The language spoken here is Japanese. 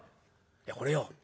「いやこれよ